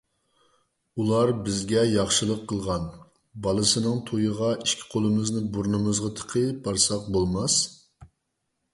ئۇلار بىزگە ياخشىلىق قىلغان، بالىسىنىڭ تويىغا ئىككى قولىمىزنى بۇرنىمىزغا تىقىپ بارساق بولماس.